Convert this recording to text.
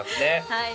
はい